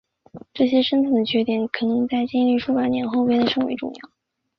这些深层的缺点可能在经历数百万年后变得甚为重要。